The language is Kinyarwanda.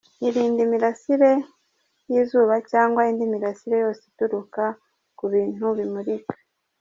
Irinde imirasire y’izuba cyangwa indi mirasire yose ituruka ku bintu bimurika.